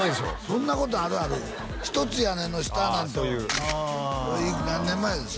そんなことあるある「ひとつ屋根の下」なんかは何年前です？